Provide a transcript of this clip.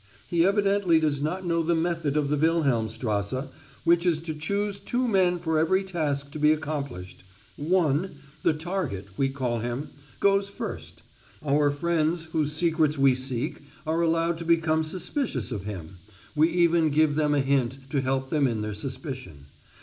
He evidently does not know the method of the Wilhelmstrasse, which is to choose two men for every task to be accomplished. One the 'target,' we call him goes first; our friends whose secrets we seek are allowed to become suspicious of him we even give them a hint to help them in their suspicion.